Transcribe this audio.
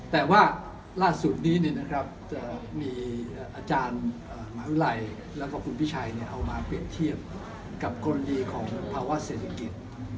แต่ว่าล่าสุดนี้จะมีอาจารย์มหาวิทยาลัยแล้วก็คุณพิชัยเอามาเปรียบเทียบกับกรณีของภาวะเศรษฐกิจ